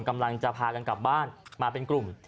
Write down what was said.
กำลังจะพากันกลับบ้านมาเป็นกลุ่ม